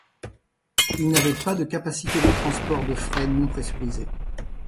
Il n'avait pas de capacité de transport de fret non pressurisé.